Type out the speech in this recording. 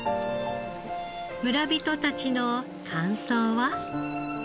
村人たちの感想は？